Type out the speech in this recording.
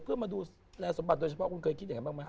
เพื่อมาดูแลสมบัติโดยเฉพาะคุณเคยคิดยังไงบ้างไหมฮ